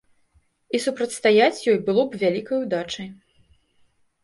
І супрацьстаяць ёй было б вялікай удачай.